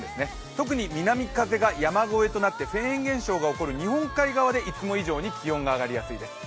特に南風が山越えとなってフェーン現象が起こる日本海側でいつも以上に気温が上がりやすいです。